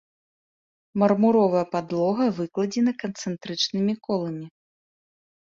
Мармуровая падлога выкладзены канцэнтрычнымі коламі.